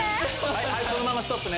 はいそのままストップね。